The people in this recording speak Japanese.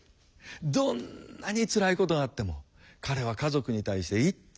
どんなにつらいことがあっても彼は家族に対していつも笑っている。